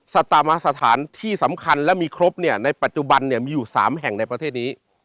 สตามสถานที่สำคัญและมีครบเนี่ยในปัจจุบันเนี่ยมีอยู่๓แห่งในประเทศนี้